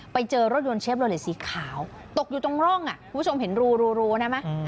ไปเจอรถยนต์เชฟโลเลสสีขาวตกอยู่ตรงร่องคุณผู้ชมเห็นรูนะไหม